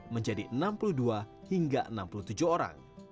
menjadi enam puluh dua hingga enam puluh tujuh orang